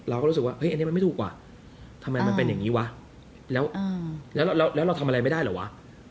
เราก็รู้สึกว่าเฮ้ยอันนี้มันไม่ถูกว่ะทำไมมันเป็นอย่างนี้วะแล้วแล้วเราทำอะไรไม่ได้เหรอวะ